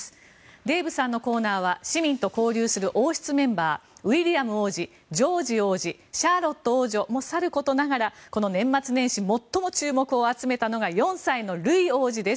デーブさんのコーナーは市民と交流する王室メンバーウィリアム皇太子、ジョージ王子シャーロット王女もさることながらこの年末年始最も注目を集めたのが４歳のルイ王子です。